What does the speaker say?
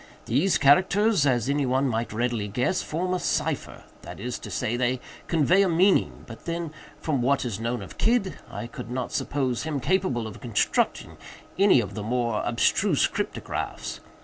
These characters, as any one might readily guess, form a cipher—that is to say, they convey a meaning; but then, from what is known of Kidd, I could not suppose him capable of constructing any of the more abstruse cryptographs.